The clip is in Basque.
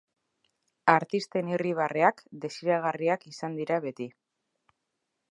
Artisten irribarreak desiragarriak izan dira beti.